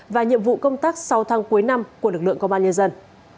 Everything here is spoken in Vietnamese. và nhiệm vụ công tác sáu tháng cuối năm của lực lượng công an nhân dân